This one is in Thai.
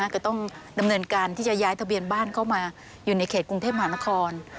ก็ต้องดำเนินการที่จะย้ายทะเบียนบ้านเข้ามาอยู่ในเขตกรุงเทพมหานคร